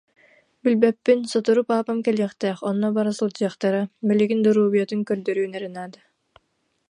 Билбэппин, сотору паапам кэлиэхтээх, онно бара сылдьыахтара, билигин доруобуйатын көрдөрүөн эрэ наада